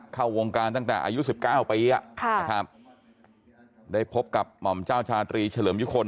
เข้าวงการตั้งแต่อายุ๑๙ปีนะครับได้พบกับหม่อมเจ้าชาตรีเฉลิมยุคล